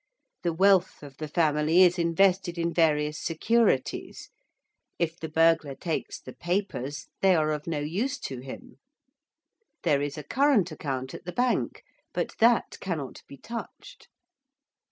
The wealth of the family is invested in various securities: if the burglar takes the papers they are of no use to him: there is a current account at the bank; but that cannot be touched.